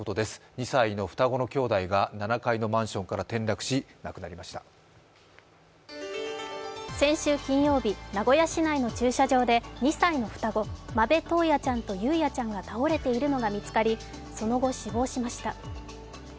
２歳の双子の兄弟が７階のマンションから転落し先週金曜日、名古屋市内の駐車場で２歳の双子、間部登也ちゃんと雄也ちゃんが倒れているのが見つかり、その後、死亡しました。